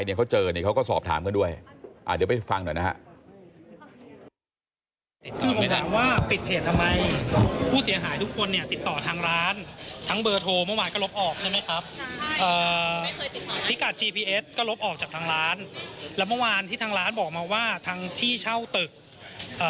ออกจากทางร้านและเมื่อวานที่ทางร้านบอกมาว่าทางที่เช่าตึกอ่า